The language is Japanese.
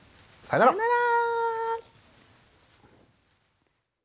さよなら。